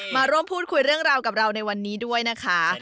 มาร่วมพูดคุยเรื่องราวกับเราในวันนี้ด้วยนะคะ